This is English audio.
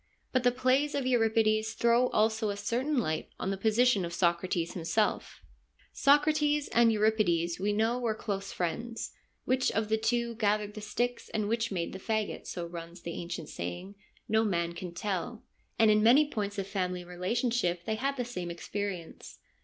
But the plays of Euripides throw also a certain light on the position of Socrates himself. Socrates and K 138 FEMINISM IN GREEK LITERATURE Euripides we know were close friends :' which of the two gathered the sticks and which made the faggot/ so runs the ancient saying, ' no man can tell/ and in many points of family relationship they had the same experience.